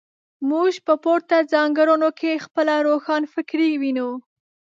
موږ په پورته ځانګړنو کې خپله روښانفکري وینو.